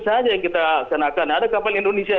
saja yang kita laksanakan ada kapal indonesia